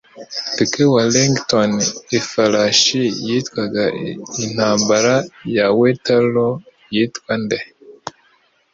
Duke wa Wellingtons ifarashi yitwaga Intambara ya Waterloo yitwa nde?